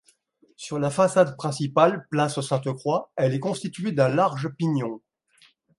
Sur la façade principale, place Sainte-Croix, elle est constituée d'un large pignon.